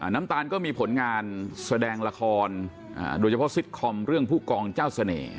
น้ำตาลก็มีผลงานแสดงละครโดยเฉพาะซิตคอมเรื่องผู้กองเจ้าเสน่ห์